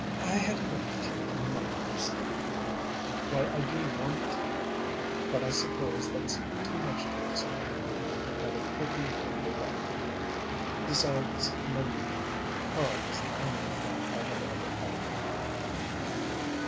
"I had hoped you might understand, a little, why I do want to. But I suppose that's too much to expect. I've had a pretty lonely life, Emil. Besides Marie, Carl is the only friend I have ever had."